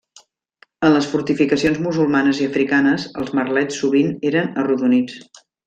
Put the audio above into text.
En les fortificacions musulmanes i africanes, els merlets sovint eren arrodonits.